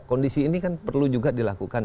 kondisi ini kan perlu juga dilakukan